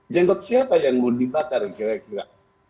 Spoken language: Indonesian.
jenggot siapa yang mau dibakar kira kira